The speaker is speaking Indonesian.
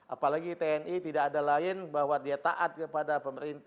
apalagi tni tidak ada lain bahwa dia taat kepada negara kesatuan republik indonesia